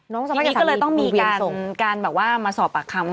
น้องสะพายก็เลยต้องมีการมาสอบปากคำ